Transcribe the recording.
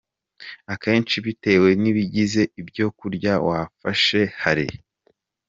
Akenshi bitewe n’ibigize ibyo kurya wafashe, hari